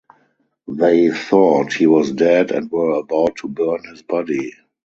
They thought he was dead and were about to burn his body.